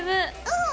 うん！